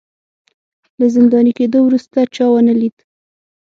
له زنداني کېدو وروسته چا ونه لید